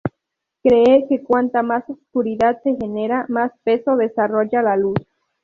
Cree que cuanta más oscuridad se genera, más peso desarrolla la luz.